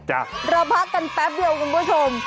เราพักกันแป๊บเดียวคุณผู้ชม